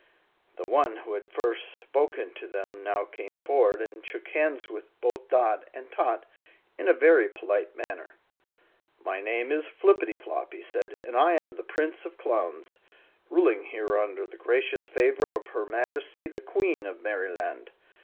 The one who had first spoken to them now came forward and shook hands with both Dot and Tot in a very polite manner. "My name is Flippityflop," he said, "and I am the Prince of Clowns, ruling here under the gracious favor of her Majesty the Queen of Merryland.